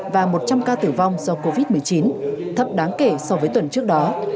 và một trăm linh ca tử vong do covid một mươi chín thấp đáng kể so với tuần trước đó